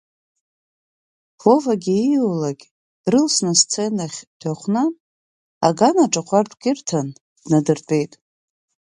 Вовагьы ииулак дрылсны асценахь дҩыхәнан, аганаҿ ҟәардәк ирҭан, днадыртәеит.